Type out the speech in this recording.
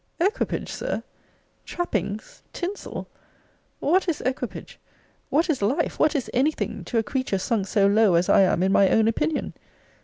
Equipage, Sir! Trappings, tinsel! What is equipage; what is life; what is any thing; to a creature sunk so low as I am in my own opinion!